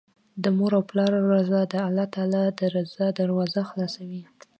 د مور او پلار رضا د الله تعالی د رضا دروازې خلاصوي